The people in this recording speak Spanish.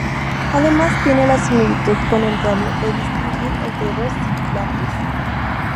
Además tiene la similitud con el galo de distinguir entre dos sibilantes.